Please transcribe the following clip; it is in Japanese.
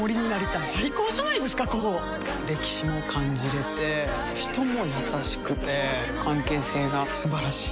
歴史も感じれて人も優しくて関係性が素晴らしい。